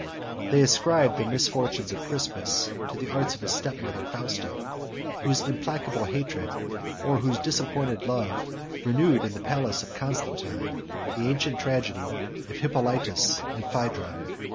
They ascribe the misfortunes of Crispus to the arts of his step mother Fausta, whose implacable hatred, or whose disappointed love, renewed in the palace of Constantine the ancient tragedy of Hippolitus and of Phædra.